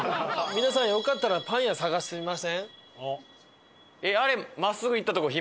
皆さんよかったらパン屋探しません？